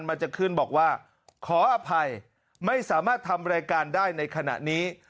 มันจะขึ้นบอกว่าขออภัยไม่สามารถทำรายการได้ในขณะนี้